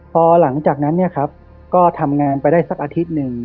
พอหลังจากนั้นเนี่ยครับก็ทำงานไปได้สักอาทิตย์หนึ่ง